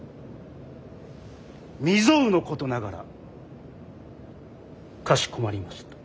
未曽有のことながらかしこまりました。